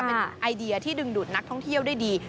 เป็นไอเดียที่ดึงดูดนักท่องเที่ยวได้ดี